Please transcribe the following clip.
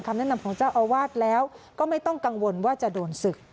แนะนำของเจ้าอาวาสแล้วก็ไม่ต้องกังวลว่าจะโดนศึก